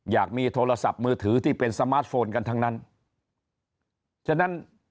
อยากมีโทรศัพท์มือถือที่เป็นสมาร์ทโฟนกันทั้งนั้นฉะนั้น